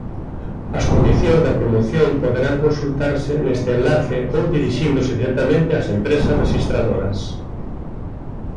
As condicións da promoción poderán consultarse neste enlace ou dirixíndose directamente ás empresas rexistradoras.